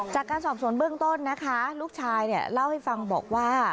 จากการสอบสวนเบื้องต้นนะคะลูกชายเนี่ยเล่าให้ฟังบอกว่า